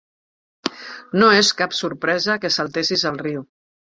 No és cap sorpresa que saltessis al riu.